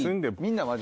みんなは？